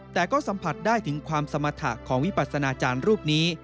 แต่ก็สัมผัสได้ถึงความสมรรถะของวิปัสนาจารย์รูปนี้